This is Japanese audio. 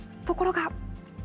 ところが。